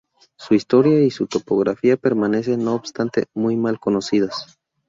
Su historia y su topografía permanecen, no obstante, muy mal conocidas.